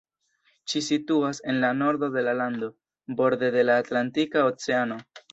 Ĉi situas en la nordo de la lando, borde de la Atlantika Oceano.